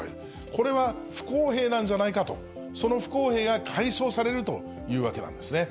これは不公平なんじゃないかと、その不公平が解消されるというわけなんですね。